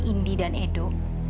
indi dan edo